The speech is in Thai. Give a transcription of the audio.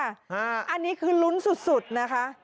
อันนี้คือลุ้นสุดนะคะ